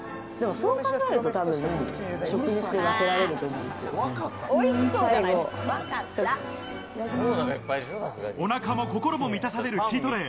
最後一口、お腹も心も満たされるチートデイ。